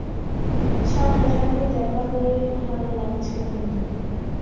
সামনা-সামনি দেখা হয়ে ভালো লাগছে, বন্ধু।